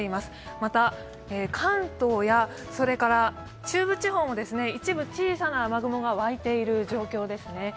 また関東や中部地方も一部小さな雨雲がわいている状況ですね。